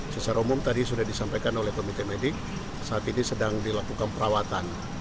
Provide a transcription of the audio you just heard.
secara umum tadi sudah disampaikan oleh komite medik saat ini sedang dilakukan perawatan